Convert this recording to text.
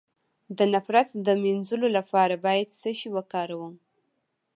د نفرت د مینځلو لپاره باید څه شی وکاروم؟